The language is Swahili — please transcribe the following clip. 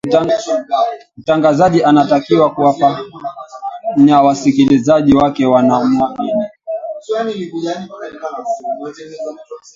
mtangazaji anatakiwa kuwafanya wasikilizaji wake wanamuamini